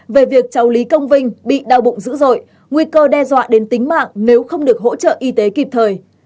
về việc cháu lý công vinh bị đau bụng dữ dội nguy cơ đe dọa đến tính mạng nếu không được hỗ trợ y tế kịp thời